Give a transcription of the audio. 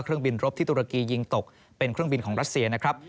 เครื่องบินรบที่ตุรกียิงตกเป็นเครื่องบินของรัสเซียนะครับ